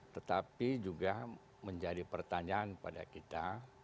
tetapi juga menjadi pertanyaan pada kita